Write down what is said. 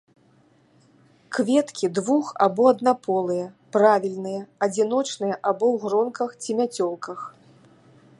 Кветкі двух- або аднаполыя, правільныя, адзіночныя або ў гронках ці мяцёлках.